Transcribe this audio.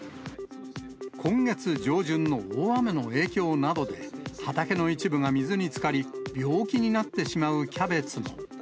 今月上旬の大雨の影響などで、畑の一部が水につかり、病気になってしまうキャベツも。